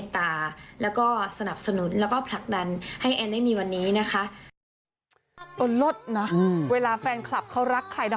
ลดนะเวลาแฟนคลับเขารักใครนะ